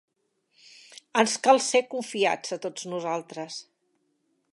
Ens cal ser confiats, a tots nosaltres.